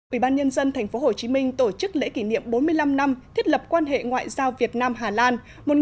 ủy ban nhân dân tp hcm tổ chức lễ kỷ niệm bốn mươi năm năm thiết lập quan hệ ngoại giao việt nam hà lan một nghìn chín trăm bảy mươi ba hai nghìn một mươi tám